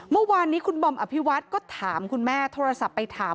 เมื่อวานนี้คุณบอมอภิวัฒน์ก็ถามคุณแม่โทรศัพท์ไปถาม